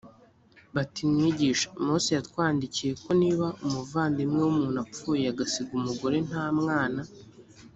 bati mwigisha mose yatwandikiye ko niba umuvandimwe w umuntu apfuye agasiga umugore nta mwana